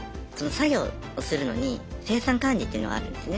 作業をするのに生産管理っていうのがあるんですね